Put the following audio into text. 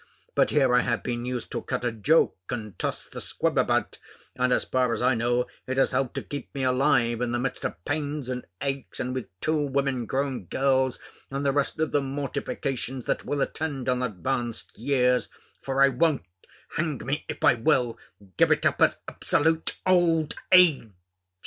But here I have been used to cut a joke and toss the squib about; and, as far as I know, it has helped to keep me alive in the midst of pains and aches, and with two women grown girls, and the rest of the mortifications that will attend on advanced years; for I won't (hang me if I will) give it up as absolute _old age!